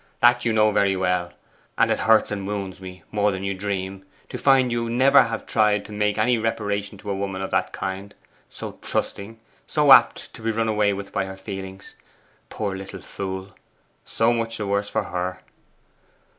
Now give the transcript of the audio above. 'That you know very well, and it hurts and wounds me more than you dream to find you never have tried to make any reparation to a woman of that kind so trusting, so apt to be run away with by her feelings poor little fool, so much the worse for her!